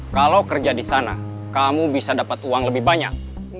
kalau kerja di sana kamu bisa dapat uang lebih banyak